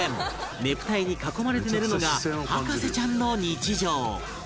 ねぷた絵に囲まれて寝るのが博士ちゃんの日常